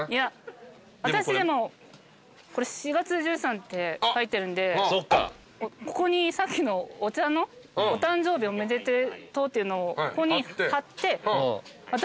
私でもこれ４月１３って書いてるんでここにさっきのお茶のお誕生日おめでとうっていうのをここに貼って渡します。